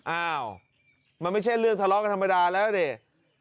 อ้าวมันไม่ใช่เรื่องทะเลาะกันธรรมดาแล้วเนี่ย